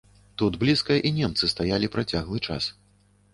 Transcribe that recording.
Тут блізка і немцы стаялі працяглы час.